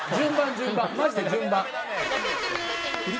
マジで順番。